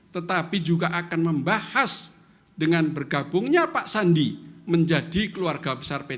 tetapi juga akan membahas dengan bergabungnya pak sandi menjadi keluarga besar p tiga